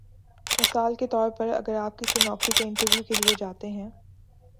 مثال کے طور پر اگر آپ کسی نوکری کے انٹرویو کے لیے جاتے ہیں